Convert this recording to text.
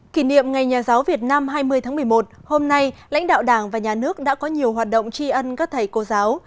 kỷ niệm ngày nhà giáo việt nam hai mươi tháng một mươi một hôm nay lãnh đạo đảng và nhà nước đã có nhiều hoạt động tri ân các thầy cô giáo